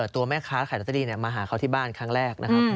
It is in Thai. ตัวแม่ค้าขายลอตเตอรี่มาหาเขาที่บ้านครั้งแรกนะครับ